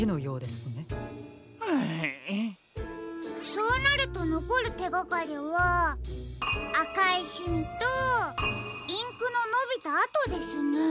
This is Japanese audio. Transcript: そうなるとのこるてがかりはあかいシミとインクののびたあとですね。